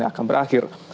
yang akan berakhir